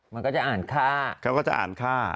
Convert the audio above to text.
มันก็จะอ่านค่า